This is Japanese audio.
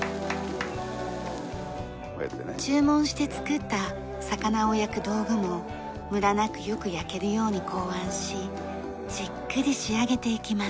注文して作った魚を焼く道具もムラなくよく焼けるように考案しじっくり仕上げていきます。